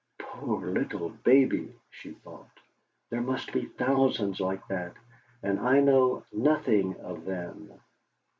'.oor little baby!' she thought. 'There must be thousands like that, and I know nothing of them!'